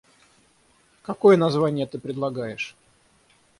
Какое название ты предлагаешь?